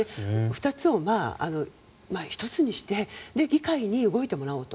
２つを１つにして議会に動いてもらおうと。